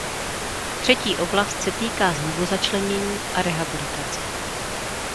Třetí oblast se týká znovuzačlenění a rehabilitace.